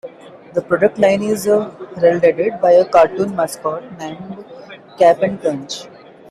The product line is heralded by a cartoon mascot named Cap'n Crunch.